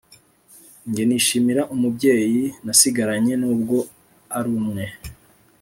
Njya nishimira umubyeyi nasigaranye nubwo arumwe